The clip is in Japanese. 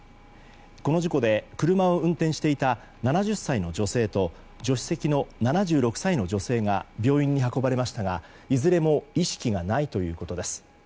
この事故で車を運転していた７０歳の女性と助手席の７６歳の女性が病院に運ばれましたがいずれも意識がないということです。